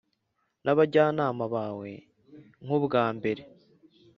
n’abajyanama bawe nk’ubwa mbere